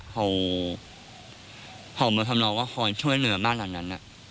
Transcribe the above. เขามาทำนองว่าคอยช่วยเหลือบ้านหลังนั้น